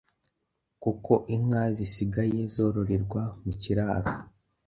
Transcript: kuko inka zisigaye zororerwa mu kiraro.